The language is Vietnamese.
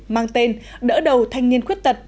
mang tên đỡ đầu thanh niên khuyết tật